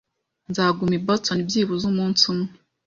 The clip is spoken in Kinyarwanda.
Nzaguma i Boston byibuze umunsi umwe